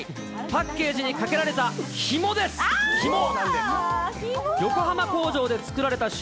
パッケージにかけられたひもです、ひも。